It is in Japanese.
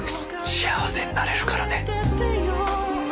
「幸せになれるからね」